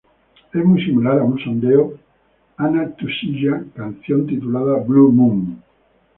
Es muy similar a un sondeo Anna Tsuchiya canción titulada "Blue Moon".